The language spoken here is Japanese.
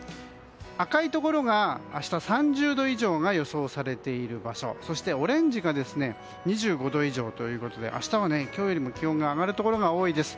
赤いところが明日、３０度以上が予想されている場所そして、オレンジが２５度以上ということで明日は今日よりも気温が上がるところが多いです。